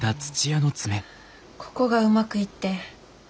ここがうまくいって。